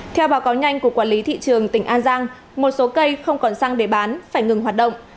theo báo cáo nhanh của quản lý thị trường tỉnh an giang một số cây không còn xăng để bán phải ngừng hoạt động